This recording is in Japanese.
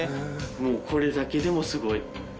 もうこれだけでもすごい。